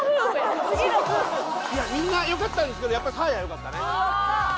みんな良かったんですけどやっぱサーヤ良かったね。